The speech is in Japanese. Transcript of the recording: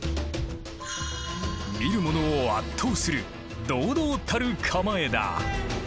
見る者を圧倒する堂々たる構えだ。